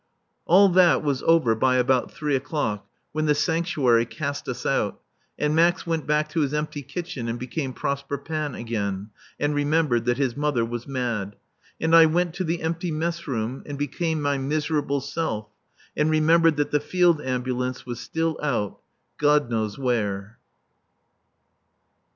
All that was over by about three o'clock, when the sanctuary cast us out, and Max went back to his empty kitchen and became Prosper Panne again, and remembered that his mother was mad; and I went to the empty mess room and became my miserable self and remembered that the Field Ambulance was still out, God knows where.